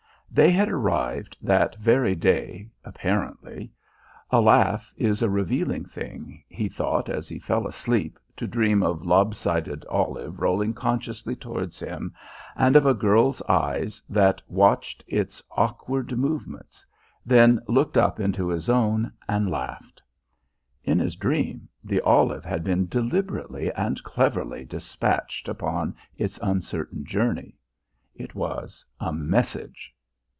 They had arrived that very day apparently. A laugh is a revealing thing, he thought as he fell asleep to dream of a lob sided olive rolling consciously towards him, and of a girl's eyes that watched its awkward movements, then looked up into his own and laughed. In his dream the olive had been deliberately and cleverly dispatched upon its uncertain journey. It was a message.